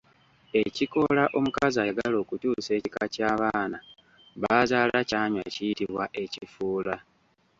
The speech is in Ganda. Ekikoola omukazi ayagala okukyusa ekika ky’abaana b’azaala ky'anywa kiyitibwa ekifuula.